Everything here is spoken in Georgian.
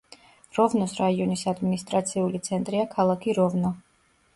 როვნოს რაიონის ადმინისტრაციული ცენტრია ქალაქი როვნო.